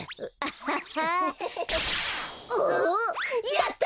やった！